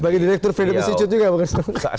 sebagai direktur freedom sijut juga pak angga sjelil